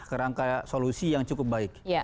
kerangka solusi yang cukup baik